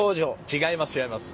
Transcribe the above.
違います違います。